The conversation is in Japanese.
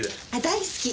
大好き。